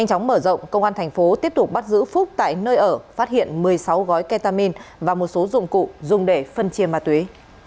trong mở rộng công an tp tiếp tục bắt giữ phúc tại nơi ở phát hiện một mươi sáu gói kentamin và một số dụng cụ dùng để phân chia ma túy